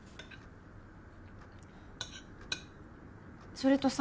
それとさ。